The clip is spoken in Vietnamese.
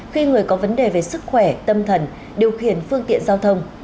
khi người có vấn đề về sức khỏe tâm thần điều khiển phương tiện giao thông